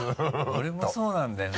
俺もそうなんだよな。